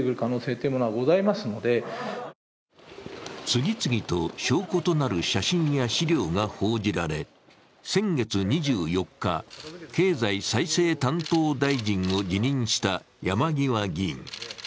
次々と証拠となる写真や資料が報じられ、先月２４日、経済再生担当大臣を辞任した山際議員。